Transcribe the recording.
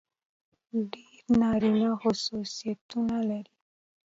ډېر نارينه خصوصيتونه لري.